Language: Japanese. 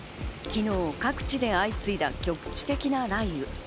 昨日、各地で相次いだ局地的な雷雨。